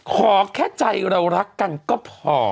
ขอแค่ใจเรารักกันก็พอ